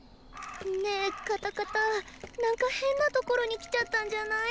ねえカタカタ何か変なところに来ちゃったんじゃない？